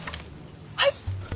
はい？